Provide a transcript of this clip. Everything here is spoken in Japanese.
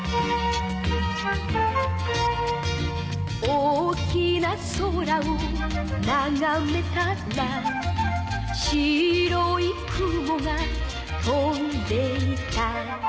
「大きな空をながめたら」「白い雲が飛んでいた」